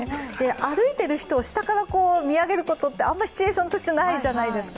歩いてる人を下から見上げることってあんまりシチュエーションとしてないじゃないですか。